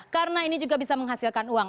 karena ini juga bisa menghasilkan uang